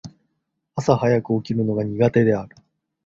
朝早く起きるのが苦手である。